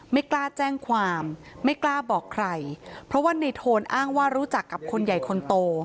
ไม่กล้าแจ้งความไม่กล้าบอกใครเพราะว่าในโทนอ้างว่ารู้จักกับคนใหญ่คนโต